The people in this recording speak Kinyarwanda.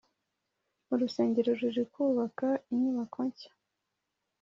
urusengero ruri kubaka inyubako nshya